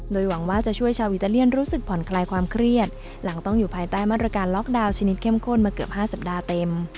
โดยหวังว่าจะช่วยชาวอิตาเลียนรู้สึกผ่อนคลายความเครียดหลังต้องอยู่ภายใต้มาตรการล็อกดาวน์ชนิดเข้มข้นมาเกือบ๕สัปดาห์เต็ม